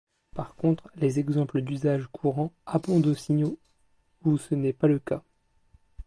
Par contre, les exemples d'usage courant abondent aussi où ce n'est pas le cas.